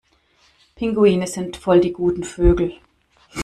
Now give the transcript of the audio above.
Pinguine sind voll die guten Vögel.